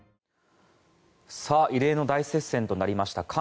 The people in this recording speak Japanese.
異例の大接戦となりました